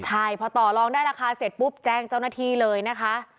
ใช่พอต่อลองได้ราคาเสร็จปุ๊บแจ้งเจ้าหน้าที่เลยนะคะ